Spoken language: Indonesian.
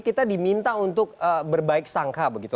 kita diminta untuk berbaik sangka begitu